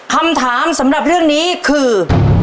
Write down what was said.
คำถามสำหรับเรื่องนี้คือ